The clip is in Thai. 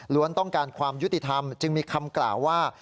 ต้องการความยุติธรรมจึงมีคำกล่าวว่า